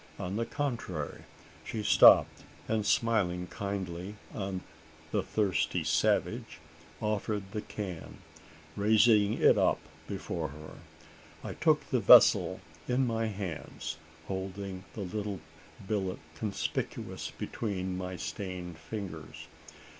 On the contrary, she stopped; and, smiling kindly on the thirsty savage, offered the can raising it up before her. I took the vessel in my hands, holding the little billet conspicuous between my stained fingers.